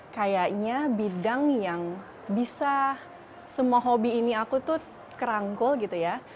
kayaknya bidang yang bisa semua hobi ini aku tuh kerangkul gitu ya